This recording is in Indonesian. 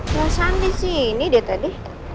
kenapa disini dia tadi